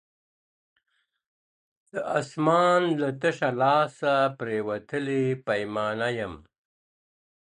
د آسمان له تشه لاسه پرېوتلې پیمانه یم.